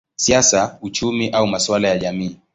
siasa, uchumi au masuala ya jamii.